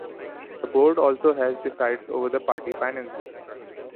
The board also has decides over the party finances.